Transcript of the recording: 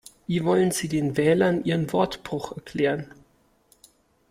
Wie wollen Sie den Wählern Ihren Wortbruch erklären?